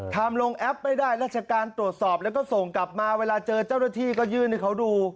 ทำลงแอปไม่ได้ราชการตรวจสอบแล้วก็ส่งกลับมาเวลาเจอเจ้าหน้าที่ก็ยื่นให้เขาดู